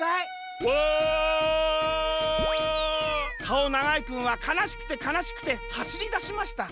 かおながいくんはかなしくてかなしくてはしりだしました。